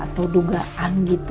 atau dugaan gitu